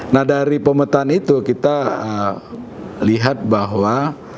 nah dari pemetaan itu kita lihat bahwa